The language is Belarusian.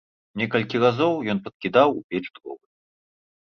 Некалькі разоў ён падкідаў у печ дровы.